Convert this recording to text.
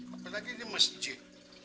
apalagi di masjid